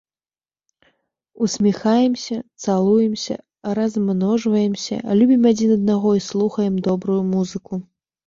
Усміхаемся, цалуемся, размножваемся, любім адзін аднаго і слухаем добрую музыку!